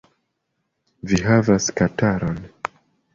Vi havas kataron.